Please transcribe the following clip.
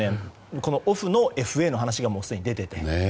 このオフのＦＡの話がすでに出てて。